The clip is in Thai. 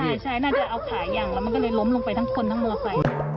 ใช่น่าจะเอาขายางแล้วมันก็เลยล้มลงไปทั้งคนทั้งมอสไซ